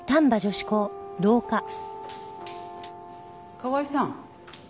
河合さん。